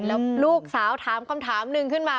แล้วลูกสาวถามคำถามหนึ่งขึ้นมา